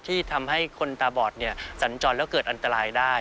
ที่ทำให้คนตาบอดสัญจรแล้วเกิดอันตรายได้